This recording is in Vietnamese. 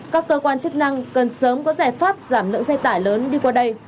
các cơ quan chức năng cần sớm có giải pháp giảm lượng xe tải lớn đi qua đây